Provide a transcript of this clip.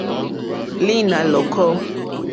Lǐnà lɔ̀kɔ́.